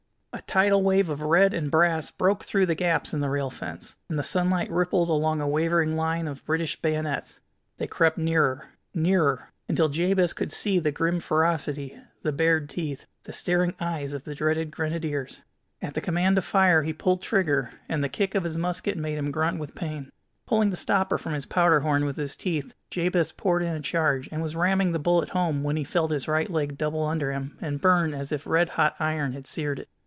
A tidal wave of red and brass broke through the gaps in the rail fence, and the sunlight rippled along a wavering line of British bayonets. They crept nearer, nearer, until Jabez could see the grim ferocity, the bared teeth, the staring eyes of the dreaded Grenadiers. At the command to fire he pulled trigger, and the kick of his musket made him grunt with pain. Pulling the stopper from his powder horn with his teeth, Jabez poured in a charge, and was ramming the bullet home when he felt his right leg double under him and burn as if red hot iron had seared it.